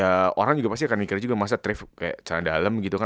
ya orang pasti akan mikir juga masa thrift kayak canggah dalem gitu kan